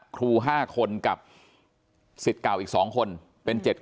ครู๕คนกับสิทธิ์เก่าอีก๒คนเป็น๗คน